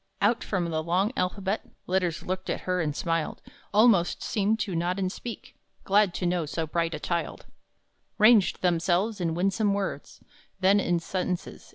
Out from the long alphabet Letters looked at her and smiled, Almost seemed to nod and speak, Glad to know so bright a child, Ranged themselves in winsome words; Then in sentences.